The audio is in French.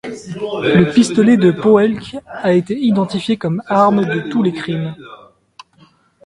Le pistolet de Poehlke a été identifié comme arme de tous les crimes.